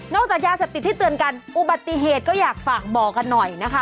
จากยาเสพติดที่เตือนกันอุบัติเหตุก็อยากฝากบอกกันหน่อยนะคะ